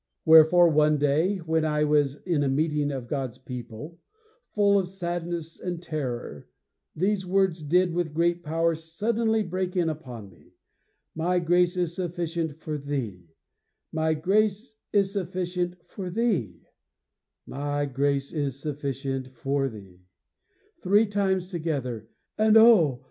Wherefore, one day, when I was in a meeting of God's people, full of sadness and terror, these words did with great power suddenly break in upon me; My grace is sufficient for thee, My grace is sufficient for thee, My grace is sufficient for thee, three times together. And oh!